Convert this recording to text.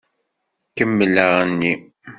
Kemmel aɣenni!